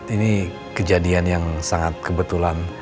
ini kejadian yang sangat kebetulan